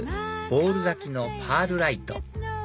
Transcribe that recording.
ボール咲きのパールライト